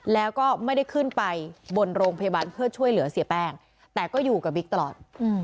แล้วก็ไม่ได้ขึ้นไปบนโรงพยาบาลเพื่อช่วยเหลือเสียแป้งแต่ก็อยู่กับบิ๊กตลอด